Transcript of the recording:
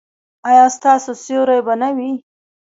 ایا ستاسو سیوری به نه وي؟